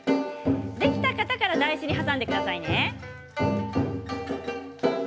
できた方から台紙に挟んでくださいね。